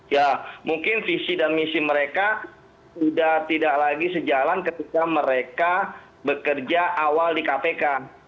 ya mungkin visi dan misi mereka sudah tidak lagi sejalan ketika mereka bekerja awal di kpk